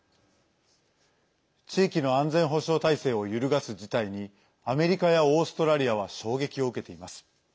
地域の安全保障体制を揺るがす事態にアメリカやオーストラリアは衝撃を受けています。